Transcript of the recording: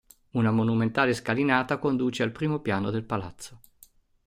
Una monumentale scalinata conduce al primo piano del palazzo.